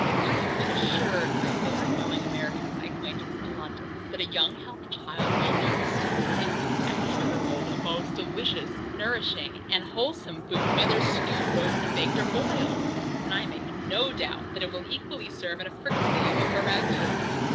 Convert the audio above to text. I have been assured by a very knowing American of my acquaintance in London, that a young healthy child well nursed, is, at a year old, a most delicious nourishing and wholesome food, whether stewed, roasted, baked, or boiled; and I make no doubt that it will equally serve in a fricasee, or a ragoust.